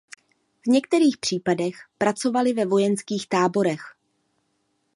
V některých případech pracovaly ve vojenských táborech.